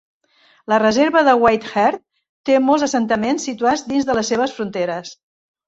La Reserva de White Earth té molts assentaments situats dins de les seves fronteres.